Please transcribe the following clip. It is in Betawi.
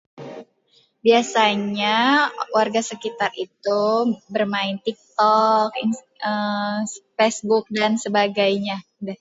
biasanya warga sekitar itu bermain tiktok ins eee , eee facebook dan sebagainya [udah].